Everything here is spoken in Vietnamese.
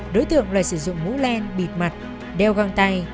đối tượng lại sử dụng mũ len bịt mặt đeo găng tay